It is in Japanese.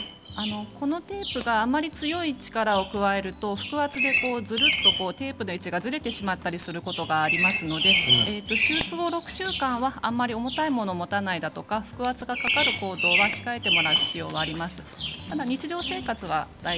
このテープがあまり強い力を加えると腹圧でずるっとテープの位置がずれてしまったりすることがありますので手術後６週間はあまり重たいものを持たないとか腹圧がかかる行動を控えてもらう必要があります。